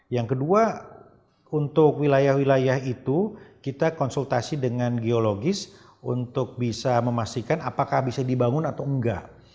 yang kedua untuk wilayah wilayah itu kita konsultasi dengan geologis untuk bisa memastikan apakah bisa dibangun atau enggak